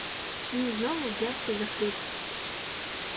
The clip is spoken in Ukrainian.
Він знову взявся за хліб.